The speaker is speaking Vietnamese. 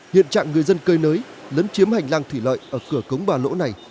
hiện trạng người dân cây nới lớn chiếm hành lang thủy lợi ở cửa cống bà lỗ này